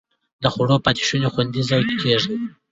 د خوړو پاتې شوني خوندي ځای کې کېږدئ.